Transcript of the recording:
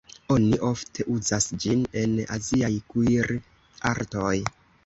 Oni ofte uzas ĝin en aziaj kuir-artoj.